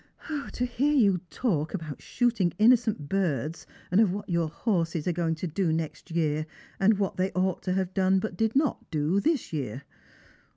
" To hear you talk about shooting innocent birds, and of what your horses are going to do next year, and what they ought to nave done, but did not do, this year.